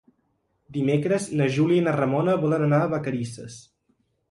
Dimecres na Júlia i na Ramona volen anar a Vacarisses.